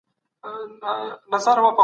د احتکار زیانونه د قحطۍ په پرتله ډېر دي.